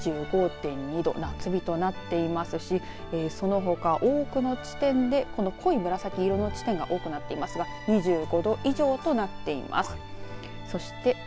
青森も２５．２度夏日となっていますしそのほか、多くの地点でこの濃い紫色の地点が多くなっていますが２５度以上となっています。